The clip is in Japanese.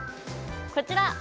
こちら！